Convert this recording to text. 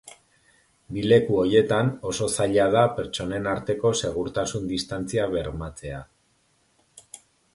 Bi leku horietan, oso zaila da pertsonen arteko segurtasun-distantzia bermatzea.